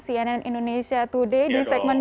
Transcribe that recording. cnn indonesia today di segmen